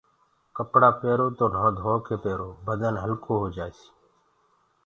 ڪپڙآ پيرو تو نوه ڌوڪي پيرو جسم هلڪو هوجآسي